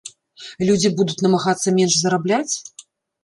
Людзі будуць намагацца менш зарабляць?